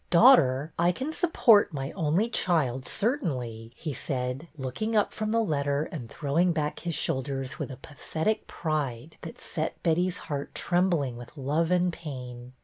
Daughter, I can support my only child, cer tainly," he said, looking up from the letter and throwing back his shoulders with a pathetic pride that set Betty's heart trembling with love and pain.